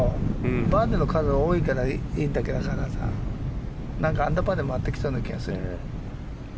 バーディーの数が多いからいいんだけどさアンダーパーで回ってきそうな気がする。